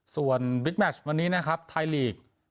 ส่วนบิ๊กแมชวันนี้นะครับไทยลีก